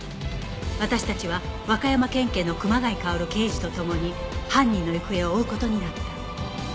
私たちは和歌山県警の熊谷馨刑事と共に犯人の行方を追う事になった